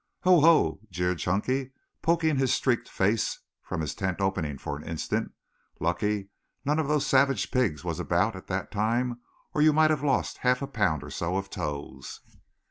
"Ho, ho," jeered Chunky, poking his streaked face from his tent opening for an instant. "Lucky none of those savage pigs was about at that time or you might have lost half a pound or so of toes."